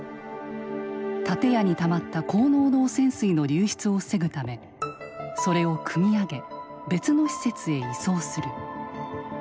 建屋にたまった高濃度汚染水の流出を防ぐためそれをくみ上げ別の施設へ移送する。